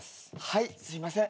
はいすいません。